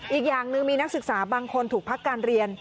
อีกอย่างหนึ่งมีนักศึกษาบางคนถูกพักการเรียน